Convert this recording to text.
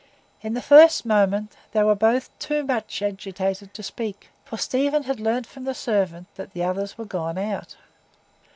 In the first moment they were both too much agitated to speak; for Stephen had learned from the servant that the others were gone out.